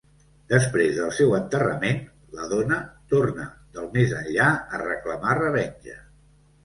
Després del seu enterrament, la dona torna del Més Enllà a reclamar revenja.